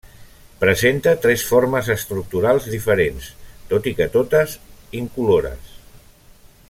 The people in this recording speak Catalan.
Presenta tres formes estructurals diferents, tot i que totes incolores.